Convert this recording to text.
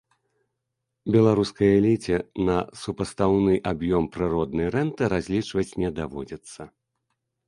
Беларускай эліце на супастаўны аб'ём прыроднай рэнты разлічваць не даводзіцца.